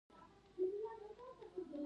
اوړه د کور لور ته اړتیا لري